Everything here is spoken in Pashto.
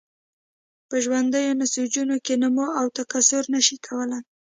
په ژوندیو نسجونو کې نمو او تکثر نشي کولای.